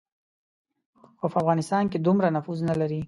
خو په افغانستان کې دومره نفوذ نه لري.